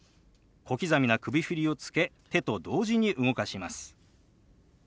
小刻みな首振りをつけ手と同時に動かします。